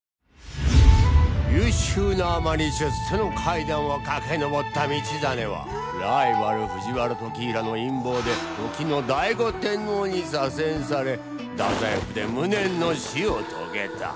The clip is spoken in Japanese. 優秀なあまり出世の階段を駆け上った道真はライバル藤原時平の陰謀で時の醍醐天皇に左遷され太宰府で無念の死を遂げた